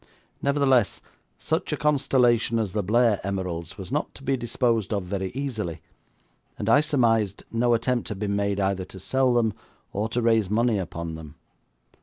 Nevertheless, such a constellation as the Blair emeralds was not to be disposed of very easily, and I surmised no attempt had been made either to sell them or to raise money upon them.